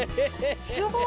すごい。